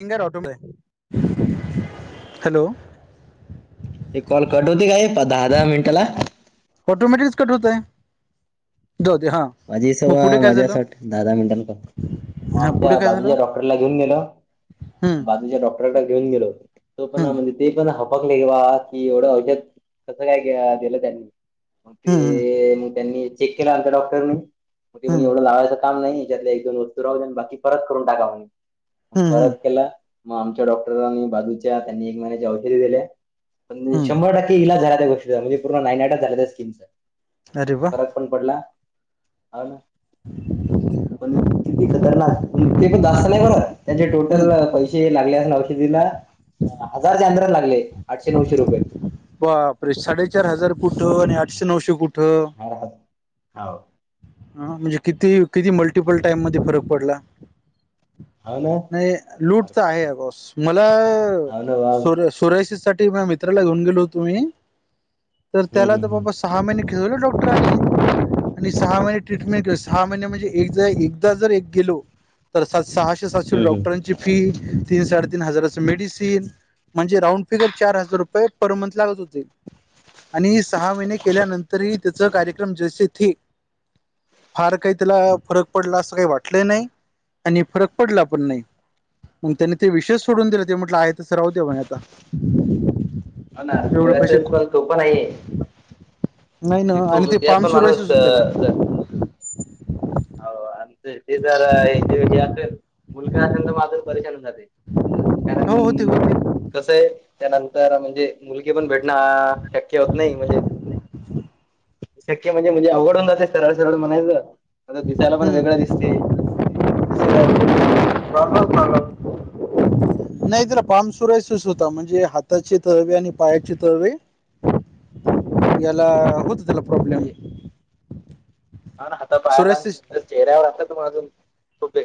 Single auto मिळेल hello ते call cut होती काय दहा दहा मिनिटाला ऑटोमॅटिकच कट होतय जाऊ दे हां माझी सवा माझ्यासाठी दहा दहा मिनिटांनी करतो म हा पुढे आमच्या काय झालं बाजूच्या डॉक्टरला घेऊन गेलो. हम्म बाजूच्या डॉक्टर ला घेऊन गेलो तो पण हम्म आ म्हणलीत ते पण हबकले की बा कि एवढं औषध कसं काय गिळा दिलं त्यांनी मग हम्म ते मग त्यांनी चेक केला आमच्या डॉक्टरनी ते म्हने हम्म एवढं लावायच काम नाही याच्यातल्या एक दोन वस्तू राहू द्या आणि बाकी परत करून टाका म्हणे हम्म हम्म परत केल म आमच्या डॉक्टरांनी बाजूच्या त्यांनी एक महिन्याच्या औषध दिले पण हम्म शंभर टक्के ते इलाज झाला त्या गोष्टीचा म्हणजे पूर्ण नाईनाटच झाल त्या स्कीमच अरे वा पण पडला हां ना पण किती खतरनाक ते पण जास्त नाही बघतं त्यांचे टोटल हम्म पैसे लागले औषधीला हजारच्या अन्दरच लागले आठशे नऊशे रुपय बापरे साडेचार हजार कुठं आणि आठशे नऊशे कुठं हाव हा म्हणजे किती किती मल्टिपल टाइममध्ये फरक पडला हा ना आहे लूट तर आहे बॉस मला हाव ना वा [inaudible] प्रोसेस साठी माया मित्राला घेऊन गेलो होतो मी तर हम्म त्याला हम्म तर हम्म बाबा सहा महिने खेळवल डॉक्टरनी आणि सहा महिने ट्रीटमेंट सहा महिने म्हणजे एकदा एकदा जर एक गेलो तर सहाशे सातशे हम्म हम्म डॉक्टरांची फी तीन साडेतीन हजाराचं मेडिसिन म्हणजे राऊंड फिगर चार हजार रुपये पर मंथ लागत होते आणि सहा महिने केल्यानंतरही त्याच कार्यक्रम जेसे थे फार काही त्याला फरक पडला असं काही वाटलंही नाही आणि फरक पडला पण नाही मग त्यान ते विषय सोडून दिला ते म्हटलं आहे तसं राहु दे म्हणे आता हो ना [inaudible] एवढे पण पैसे सोप नाही आहे नाही ना जे आणि खवल ते त्या पाम पण सुरायच माणूस होत त्याला हो असते ते जरा ह्याच हे असेल मुलगा असेल तर म अजून परेशान झाली कारण हो होते होते कसं आहे त्यानंतर म्हणजे मुलगी पण भेटणं शक्य होत नाही म्हणजे शक्य म्हणजे म्हणजे अवघड होऊन जाते, सरळ सरळ म्हणायचं. आता दिसायला पण वेगळं हम्म दिसते, ते सगळ म्हणजे पूर्ण प्रॉब्लेम प्रॉब्लेम नाही त्याला बाम [unintelligible] होता म्हणजे हाताची तळवे आणि पायाची तळवे ह्याला होत [unintelligible] म्हणजे हा ना हाता पायाला सुरायसिस आणि चेहऱ्यावर हात कसं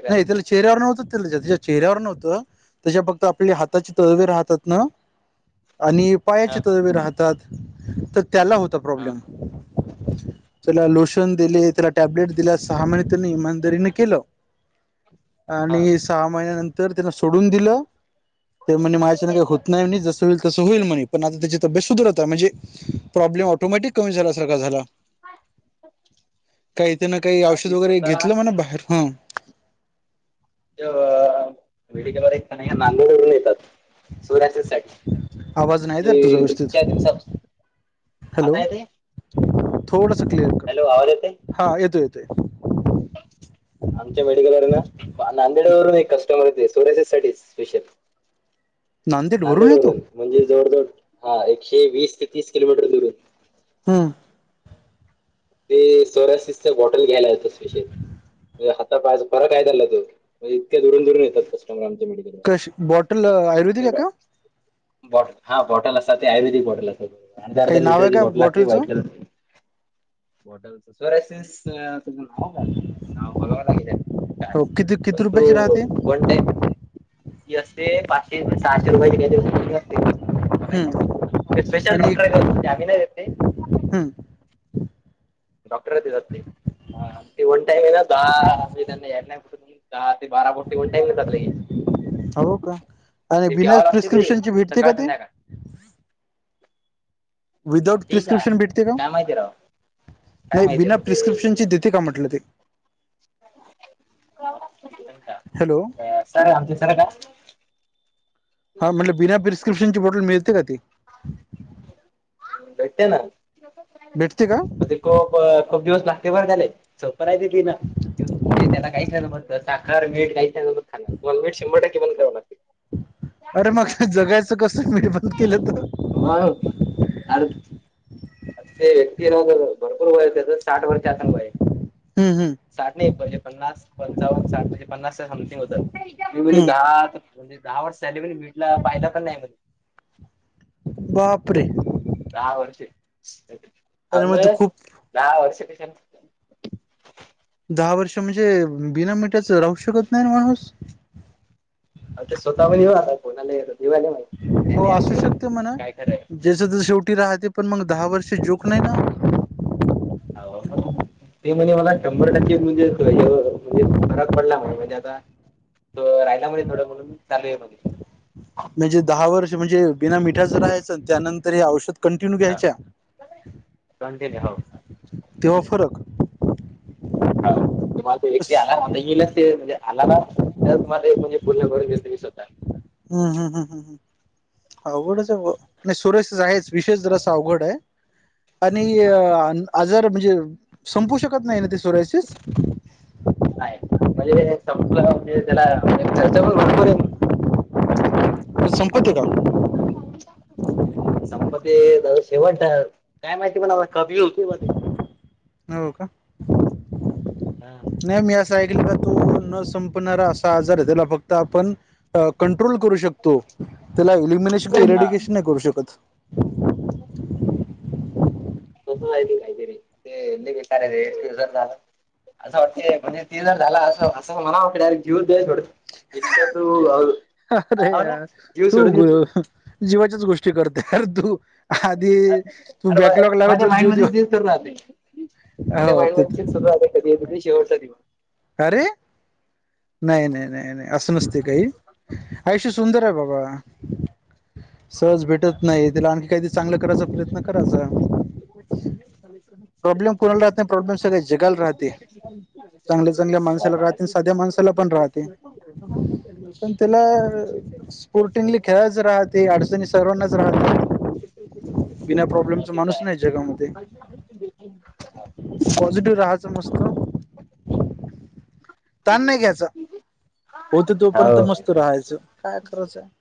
नाही तिला चेहऱ्यावर नव्हतं, ते तिझा तिझा चेहऱ्यावर नव्हतं, तिझा फक्त आपले हात त्याचे तळवे राहतात ना आणि हा पायाचे हा तळवे राहतात, तर त्याला होत. तो हा प्रॉब्लेम ये चला लोशन दिले, त्याला टॅब्लेट दिल्या, सहा महिने त्यांनी इमानदारीने केलं. हा आणि सहा महिन्यानंतर त्याला सोडून दिलं, ते म्हणे माझ्या ह्याचानं काही होत नाही, आणि जसं होईल तसं होईल म्हणे पण आता त्याची तब्येत सुधरत आहे म्हणजे प्रॉब्लेम ऑटोमॅटिक कमी झाल्या सारखा झाला. काही त्यानं काही औषध आम्ही वगैरे स्वतः घेतलं म्हणं बाहेर हं 'जे मेडिकल वाले आहेत की नाही नांदेड वरून येतात' सोरायसिससाठी. आवाज नाही येत तुझा होय मग व्यवस्थित त्या दिवसापासून हॅलो आता येतंय. थोडस क्लिअर कट आवाज येते हा येतोय येतोय. 'आमच्या मेडिकलवर ना नांदेड वरून एक कस्टमर येतोय', सोरायसिससाठी स्पेशल. नांदेड वरून म्हणजे जवळ जवळ हां एकशे वीस ते तीस किलोमीटर दूरून. हम्म ते सोरायसिसचं बॉटल घ्यायला येतात स्पेशली. ते हता पायचं फार काय झालेलं होतं, तरी इतक्या दुरून दुरून येतात कस्टमर आमचे मेडिकला कश बॉटल आयुर्वेदिक आहे का? 'बॉट हा बॉटल असतात, ते आयुर्वेदिक बॉटल असतात आणि ते अर्धा काही नाव आहे लिटरची का बॉटल असते, ' बॉटलचं white colour 'bottle psoriasis full form काय आहे, हां बघावं लागेल ते हो किती पण किती ते रुपयाची राहते वन टाईम ही असते पाचशे ते सहाशे रुपयाची काहीतरी फी असते. हम्म स्पेशल आणि डॉक्टर हायत ते आम्ही नाही देत ते हम्म डॉक्टरच देतात ते वन टाईम हे ना दहा [unintelligible] दहा ते बारा बोटी वन टाईम घेतात लगेच हो का आणि ते बिना प्यावं लागते ते प्रिस्क्रिप्शन ची भेटते का सकाळ ते? संध्याकाळ [unintelligible] विदाउट ठीक आहे प्रिस्क्रिप्शन भेटते ते का? काय माहिती राव काय नाही माहिती बिना आहे ते प्रिस्क्रिप्शनचे दे ते का म्हणटलं ते. [unintelligible] हॅलो अं सर आमचे सर का? हां म्हटलं बिना प्रिस्क्रप्शनची बॉटल मिळते का ती? भेटते ना. भेटते का? पण ते खूप खूप दिवस लागते बरं त्याले सोपं नाही ते ती ना म्हणजे त्याला काही चलं बघ साखर मीठ काही खायच नाही पण मीठ शंभर टक्के बंद करावं लागतं. अरे मग जगायचं कसं मीठ बंद केलं तर. मगं आर ते ते नव्हं तेज भरपूर वय आहे तेज साठ वर्षे असनं वय हम्म हम्म साठ नाही म्हणजे पहिले पन्नास पंचावन्न साठ म्हणजे पन्नास समथिंग होतं ती बोलली हम्म दहा दहा वर्ष त्याले पण भेटला फायदा पण नाही म्हणे बापरे! दहा वर्षे अरे अंग मग तू खूप दहा वर्ष कशाला? दहा वर्ष म्हणजे बिना मिठाचं राहू शकत नाही ना माणूस. अव ते स्वतःहून येऊ राहिलाय आता कोणाला येत देवाले माहिती त्याले आणि देवाले काय खरांय. जस तर शेवटी राहते पण मग दहा वर्ष जोक नाही ना. हो ते म्हणजे मला शंभर टक्के गुण येतोय म्हणजे फरक पडला म्हणे म्हणजे आता राहिला म्हणे थोडं म्हणून चालू आहे म्हणे. म्हणजे दहा वर्ष म्हणजे बिना मिठाचं राहायचं त्यानंतर हे औषध कंटिन्यू हा घ्यायच्या कंटिन्यू हाव तेव्हा फरक. हो तुम्हाला तो बस व्यक्ती आला ना आता येईलच ते म्हणजे आला ना त्या तुम्हाला एक म्हणजे फुल भरुन देतो मी स्वतः हा हा हा हा अवघडच आहे सोरायसिस आहेच विशयच जरासं अवघड आहे. आणि आजार म्हणजे संपू शकत नाही ना ते सोरायसिस आहे म्हणजे संपलं म्हणजे त्याला म्हणजे खर्चापण भरपूर आहे. संपतो का [unintelligible] संपते त्याच शेवट काय माहिती म्हणावं कमी बी होते म्हणे. हो का हा नाही मी असं ऐकलेला तो न संपणारा असा आजार आहे त्याला फक्त आपण कंट्रोल करू शकतो त्याला एल्युमिनेशन किवा इरेडिकेशन नाही करू शकत. [unintelligible] [inaudible] असं वाटते म्हणजे ते तिला झालं असं असं मला वाटंत कि जीवच द्यावा डायरेक्ट. [inaudible] अरे यार जीव तू सोडून दे ग जीवाच्याच गोष्टी करतो यार तू. आधी तू अरे बॅकलॉग लागला माझ्या तुला जीव माइंड दिऊ. मध्ये तेच सुरू राहते अ माझ्या हो माइंड ते मध्ये तेच सुरू राहते कधी येतो नाही शेवटचा दिवस. अरे नाही नाही नाही नाही असं नसते काही आयुष्य सुंदर आहे बाबा. सहज भेटत नाहि तिला आणखी काही तरी चांगल करायचा प्रयत्न करायचा. प्रॉब्लेम कोणाला राहत नाही प्रॉब्लेम सगळ्या जगाला राहते [unintelligible] चांगल्या चांगल्या माणसाला राहात साध्या माणस पण त्याला [inaudible] स्पोर्टिंगली खेळाचं राहते अडचणी सर्वांनाच राहनार [inaudible] जगामध्ये, पॉझिटिव्ह राहाच मस्त ताण नाही घ्यायचा होत तोपर्यंत हो मस्त राहायच काय करायच